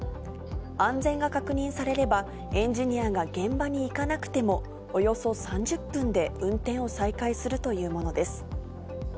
安全が確認されれば、エンジニアが現場に行かなくても、およそ３０分で運転を再開するというものです。